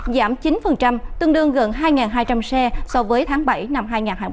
giảm chín tương đương gần hai hai trăm linh xe so với tháng bảy năm hai nghìn hai mươi ba